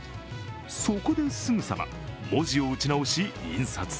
そこですぐさま文字を打ち直し印刷。